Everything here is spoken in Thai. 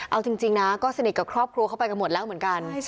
เอาจริงนะก็สนิทกับครอบครัวเข้าไปกันหมดแล้วเหมือนกัน